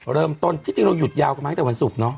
เริ่มต้นที่จริงเราหยุดยาวกันมาตั้งแต่วันศุกร์เนาะ